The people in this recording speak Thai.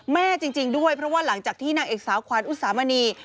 แม่จริงด้วยเพราะว่าหลังจากที่นางเอกสาวขวัญอุสามณี